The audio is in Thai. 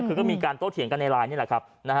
คือก็มีการโต้เถียงกันในไลน์นี่แหละครับ